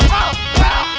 lo sudah bisa berhenti